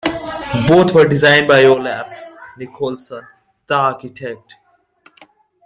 Both were designed by Olaf Nicholson, the architect.